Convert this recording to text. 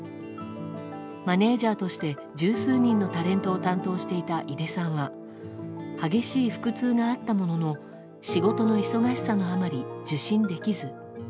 マネジャーとして十数人のタレントを担当していた井出さんは激しい腹痛があったものの仕事の忙しさのあまり受診できず。